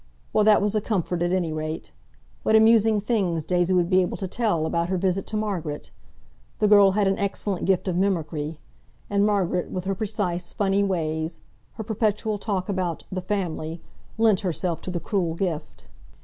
Well, that was a comfort, at any rate. What amusing things Daisy would be able to tell about her visit to Margaret! The girl had an excellent gift of mimicry. And Margaret, with her precise, funny ways, her perpetual talk about "the family," lent herself to the cruel gift.